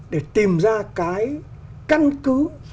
để tìm ra cái căn cứ